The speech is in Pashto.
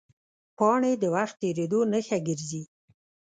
پاڼې د وخت تېرېدو نښه ګرځي